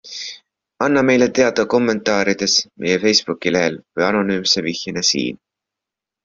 Anna meile teada kommentaarides, meie Facebooki-lehel või anonüümse vihjena SIIN.